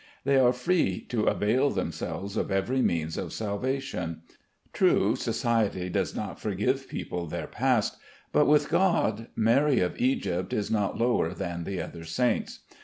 They are free to avail themselves of every means of salvation. True, Society does not forgive people their past, but with God Mary of Egypt is not lower than the other saints.